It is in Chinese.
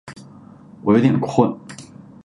我有点困